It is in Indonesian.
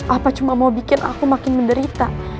apa cuma mau bikin aku makin menderita